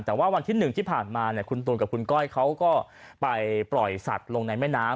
แต่ว่าวันที่๑ที่ผ่านมาคุณตูนกับคุณก้อยเขาก็ไปปล่อยสัตว์ลงในแม่น้ำ